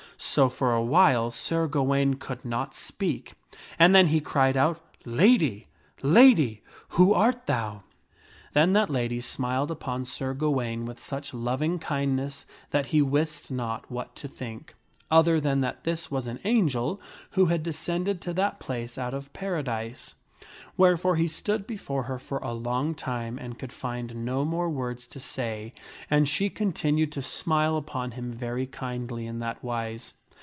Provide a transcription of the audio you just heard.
So, for a while, Sir Gawaine could not speak, and then he cried out, " Lady ! lady ! who art thou ?"' Then that lady smiled upon" Sir Gawaine with such loving kindness that he wist not what to think, other than that this was an angel who had descended to that place out of paradise. Wherefore he stood before her for a long time and could find no more words to say, and she continued to smile upon him very kindly in that wise.